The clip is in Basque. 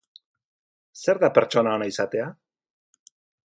Zer da pertsona ona izatea?